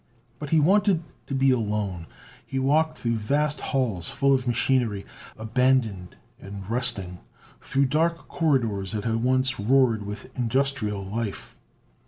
But he wanted to be alone. He walked through vast halls full of machinery, abandoned and rusting, through dark corridors that had once roared with industrial life.